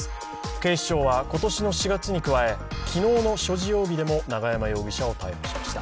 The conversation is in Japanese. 警視庁は今年の４月に加え、昨日の所持容疑でも永山容疑者を逮捕しました。